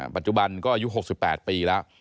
ปัจจุบันก็อายุ๖๘ปีแล้ว